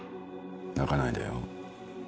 泣かないでよ。